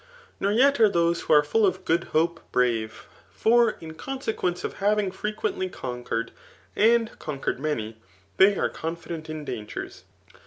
Nor yet are those who are full of. good hope braTe : for in consequence of having frequently conquered, and con« quered many, they are confident in dangers.